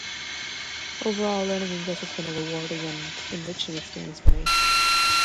Overall, learning English has been a rewarding and enriching experience for me.